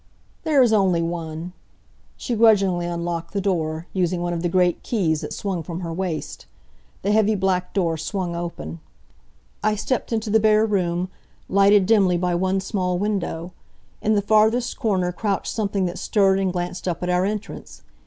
"There is only one." She grudgingly unlocked the door, using one of the great keys that swung from her waist. The heavy, black door swung open. I stepped into the bare room, lighted dimly by one small window. In the farthest corner crouched something that stirred and glanced up at our entrance.